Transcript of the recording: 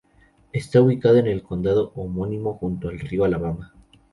Está ubicada en el condado homónimo, junto al río Alabama.